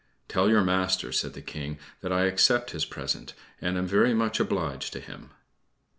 "Tell your master," said the King, "that I accept his present, and am very much obliged to him."